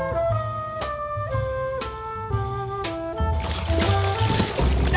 ไหนไปไหนวะ